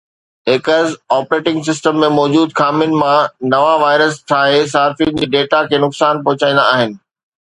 hackers operating system ۾ موجود خامين مان نوان وائرس ٺاهي صارفين جي ڊيٽا کي نقصان پهچائيندا آهن